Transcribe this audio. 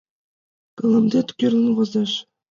Кылымдет кӱрлын возеш.